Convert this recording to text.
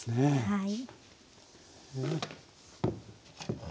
はい。